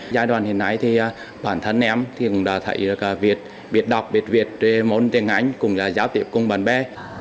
giai đoạn hiện nay thì bản thân em thì cũng đã thấy được việc đọc việc việt môn tiếng anh cùng giáo tiếp cùng bạn bè